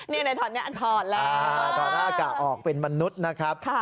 นี่ในถอดนี้อันถอดแล้วถอดหน้ากากะออกเป็นมนุษย์นะครับ